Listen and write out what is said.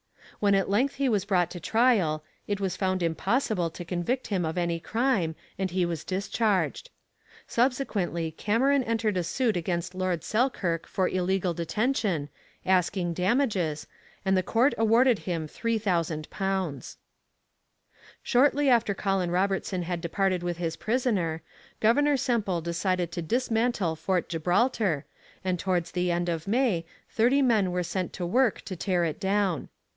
When at length he was brought to trial, it was found impossible to convict him of any crime, and he was discharged. Subsequently Cameron entered a suit against Lord Selkirk for illegal detention, asking damages, and the court awarded him £3000. Shortly after Colin Robertson had departed with his prisoner, Governor Semple decided to dismantle Fort Gibraltar, and towards the end of May thirty men were sent to work to tear it down.